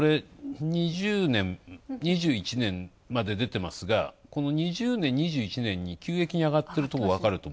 ２０年、２１年まで出てますが、２０年、２１年に急激に上がってるとこ。